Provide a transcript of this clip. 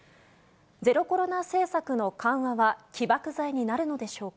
ゼロコロナ政策の緩和は起爆剤になるのでしょうか。